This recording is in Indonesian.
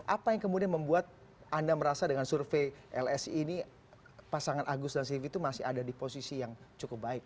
apa yang kemudian membuat anda merasa dengan survei lsi ini pasangan agus dan silvi itu masih ada di posisi yang cukup baik